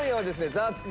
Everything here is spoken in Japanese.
『ザワつく！